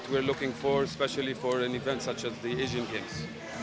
terutama untuk acara seperti asian games